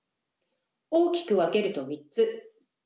大きく分けると３つ。